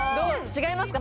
違いますか？